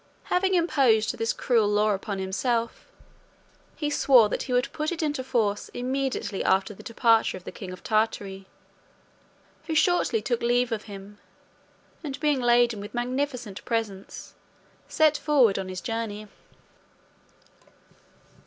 Having imposed this cruel law upon himself, he swore that he would put it in force immediately after the departure of the king of Tartary, who shortly took leave of him, and being laden with magnificent presents, set forward on his journey.